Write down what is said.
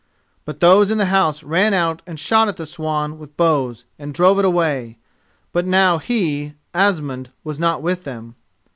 But those in the house ran out and shot at the swan with bows and drove it away, but now he, Asmund, was not with them.